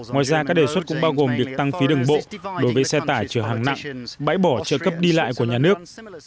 ngoài ra các đề xuất cũng bao gồm việc tăng phí đường bộ đối với xe tải chở hàng nặng bãi bỏ trợ cấp đi lại của nhà nước